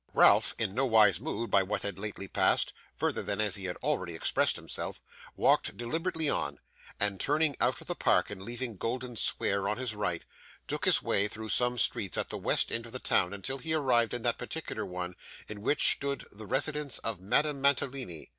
Ralph, in no wise moved by what had lately passed, further than as he had already expressed himself, walked deliberately on, and turning out of the Park and leaving Golden Square on his right, took his way through some streets at the west end of the town until he arrived in that particular one in which stood the residence of Madame Mantalini.